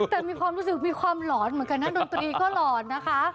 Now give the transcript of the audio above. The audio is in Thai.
แต่มีความรู้สึกมีความหลอนเหมือนกันนะดนตรีก็หลอนนะคะ